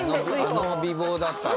あの美貌だったら。